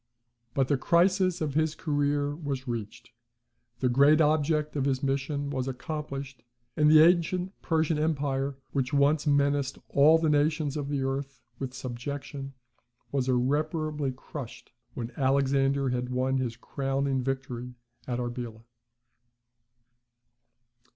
But the crisis of his career was reached; the great object of his mission was accomplished; and the ancient Persian empire, which once menaced all the nations of the earth with subjection, was irreparably crushed, when Alexander had won his crowning victory at Arbela.